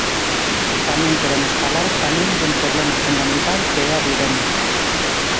Tamén queremos falar tamén dun problema fundamental que é a vivenda.